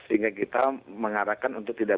sehingga kita mengarahkan untuk tidak